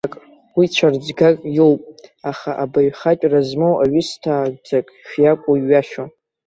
Уи цәарӡгак иоуп, аха абаҩхатәра змоу аҩысҭааӡак шиакәу ҩашьом.